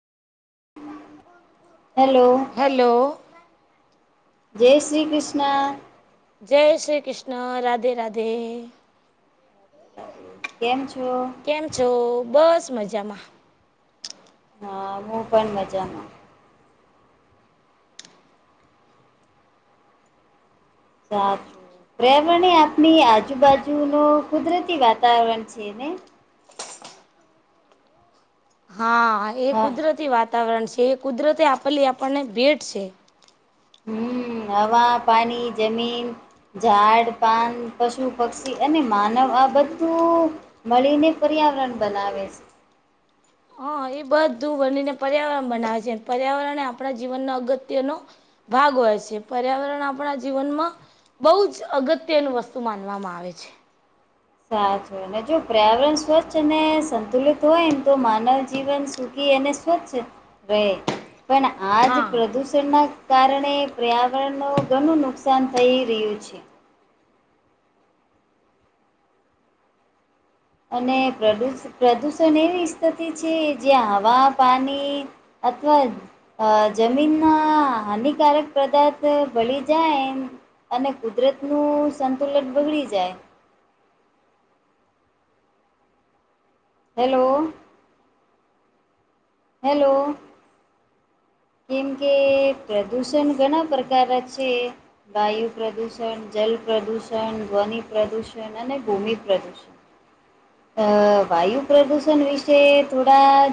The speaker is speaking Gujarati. હેલો. હલો. જય શ્રી કૃષ્ણ. જય શ્રી કૃષ્ણ રાધે રાધે. કેમ છો? કેમ છો બસ મજામાં. હા હું પણ મજામાં. હા. [unintelligible] રવણે આપણી આજુબાજુનું કુદરતી વાતાવરણ છે ને. હા એ હા કુદરતી વાતાવરણ છે એ કુદરતે આપેલી આપણને ભેટ છે. હમ્મ હવા પાણી જમીન ઝાડ પાન પશુ પક્ષી અને માનવ આ બધું મળીને પર્યાવરણ બનાવે છે. હા એ બધું બનીને પર્યાવરણ બનાવે છે પર્યાવરણ આપણા જીવનનો અગત્યનો ભાગ હોય છે પર્યાવરણ આપણા જીવનમાં બહુ જ અગત્યનું વસ્તુ માનવામાં આવે છે. સાચું અને જો પર્યાવરણ સ્વચ્છ અને સંતુલિત હોય ને તો માનવ જીવન સુખી એને પણ આજ હા પ્રદુષણ ના કારણે પર્યાવરણનું ઘણું નુકસાન થઈ રહ્યું છે. અને પ્રદુ પ્રદુષણ એવી સ્થિતિ છે જ્યાં હવા પાણી અથવા જ અ જમીનમાં હાનિકારક પદાર્થ ભળી જાય એમ અને કુદરતનું સંતુલન બગડી જાય. હેલો. હેલો. કેમ કે પ્રદુષણ ઘણા પ્રકાર છે. વાયુ પ્રદૂષણ જલ પ્રદૂષણ ધ્વનિ પ્રદૂષણ ભૂમિ પ્રદૂષ. અ વાયુ પ્રદૂષણ વિશે થોડા